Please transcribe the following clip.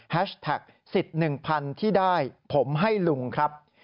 แท็กสิทธิ์๑๐๐๐ที่ได้ผมให้ลุงครับ